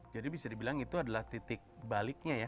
jadi bisa dibilang itu adalah titik baliknya ya